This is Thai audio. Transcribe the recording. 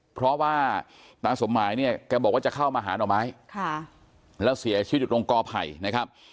เพราะว่าตาสมหมายเนี่ยแกบอกว่าจะเข้ามาหาหน่อไม้แล้วเสียชีวิตอยู่ตรงกอไผ่นะครับ